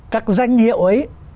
các danh hiệu ấy